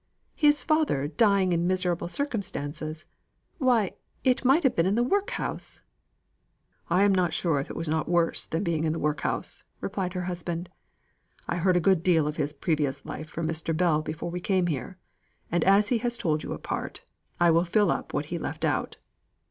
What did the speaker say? His father 'dying in miserable circumstances.' Why it might have been in the workhouse." "I am not sure it was not worse than being in the workhouse," replied her husband. "I heard a good deal of his previous life from Mr. Bell before we came here; and as he has told you a part, I will fill up what he left out.